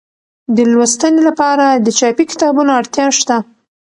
د لوستنې لپاره د چاپي کتابونو اړتیا شته.